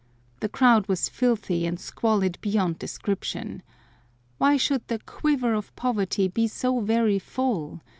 The crowd was filthy and squalid beyond description. Why should the "quiver" of poverty be so very full?